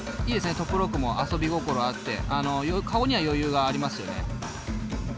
トップロックも遊び心あって顔には余裕がありますよね。